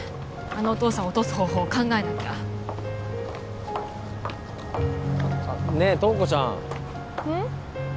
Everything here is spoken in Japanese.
あのお父さんを落とす方法を考えなきゃあねえ塔子ちゃんうん？